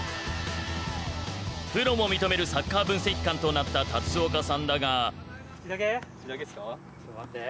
プロも認めるサッカー分析官となった龍岡さんだが。